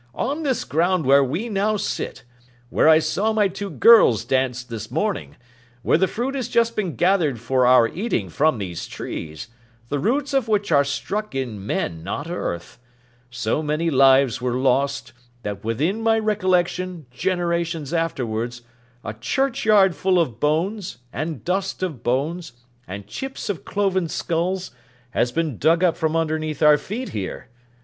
On this ground where we now sit, where I saw my two girls dance this morning, where the fruit has just been gathered for our eating from these trees, the roots of which are struck in Men, not earth,—so many lives were lost, that within my recollection, generations afterwards, a churchyard full of bones, and dust of bones, and chips of cloven skulls, has been dug up from underneath our feet here.